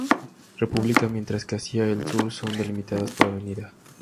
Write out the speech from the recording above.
República, mientras que hacia el sur son delimitadas por Av.